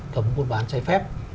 cấm buôn bán giải phép